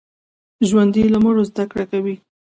ژوندي له مړو زده کړه کوي